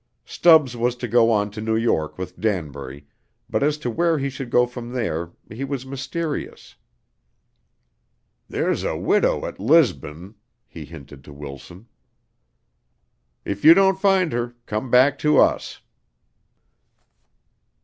Stubbs was to go on to New York with Danbury, but as to where he should go from there, he was mysterious. "There's a widder at Lisbon " he hinted to Wilson. "If you don't find her, come back to us."